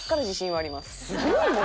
すごいね！